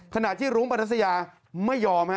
ขณะที่รุงปรัศจัยาไม่ยอม